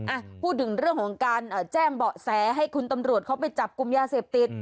อ่ะพูดถึงเรื่องของการแจ้งเบาะแสให้คุณตำรวจเขาไปจับกลุ่มยาเสพติด